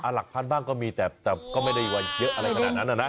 หลักพันบ้างก็มีแต่ก็ไม่ได้ว่าเยอะอะไรขนาดนั้นนะ